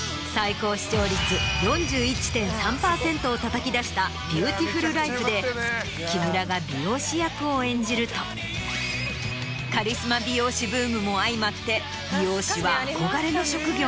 メーク？をたたき出した『ビューティフルライフ』で木村が美容師役を演じるとカリスマ美容師ブームも相まって美容師は憧れの職業に。